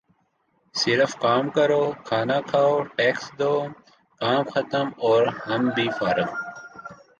صرف کام کرو کھانا کھاؤ ٹیکس دو کام ختم اور ہم بھی فارخ